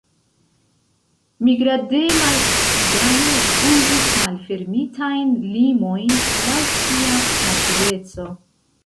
Migrademaj ciganoj uzis malfermitajn limojn laŭ sia natureco.